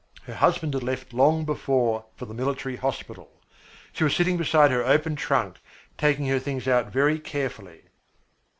Her husband had left long before for the Military Hospital. She was sitting beside her open trunk taking her things out very carefully.